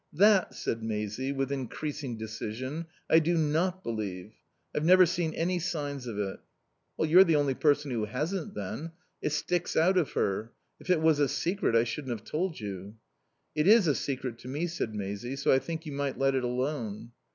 "That," said Maisie, with increasing decision, "I do not believe. I've never seen any signs of it." "You're the only person who hasn't then. It sticks out of her. If it was a secret I shouldn't have told you." "It is a secret to me," said Maisie, "so I think you might let it alone."